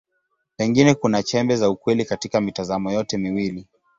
Pengine kuna chembe za ukweli katika mitazamo yote miwili.